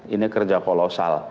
ini adalah satu hal yang sangat penting